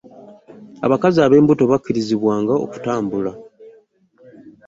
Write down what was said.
abakazi b'embuto baakirizibwanga okutambula.